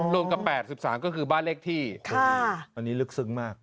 รวมกับแปดสิบสามก็คือบ้านเลขที่ครับอันนี้ลึกซึงมาก